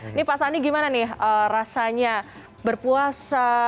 ini pak sandi gimana nih rasanya berpuasa